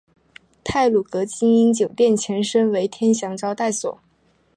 太鲁阁晶英酒店前身为天祥招待所。